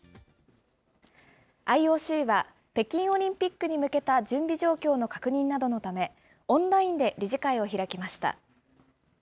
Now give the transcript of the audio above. ＩＯＣは北京オリンピックに向けた準備状況の確認などのため、オンラインで理事会を開きました。